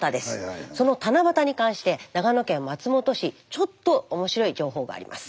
その七夕に関して長野県松本市ちょっと面白い情報があります。